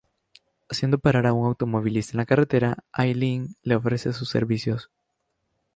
Haciendo parar a un automovilista en la carretera, Aileen le ofrece sus servicios.